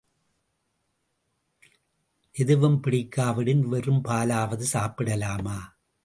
எதுவும் பிடிக்காவிடின் வெறும் பாலாவது சாப்பிடலாமா?